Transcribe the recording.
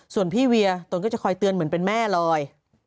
ส่วนพี่เวียตนก็จะคอยเตือนเหมือนเป็นแม่ลอย